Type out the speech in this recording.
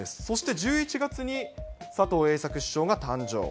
そして１１月に、佐藤栄作首相が誕生。